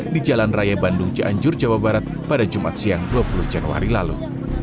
di jalan raya bandung cianjur jawa barat pada jumat siang dua puluh januari lalu